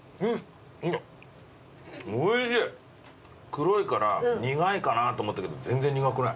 黒いから苦いかなと思ったけど全然苦くない。